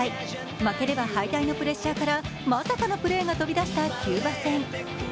負ければ敗退のプレッシャーからまさかのプレーが飛び出したキューバ戦。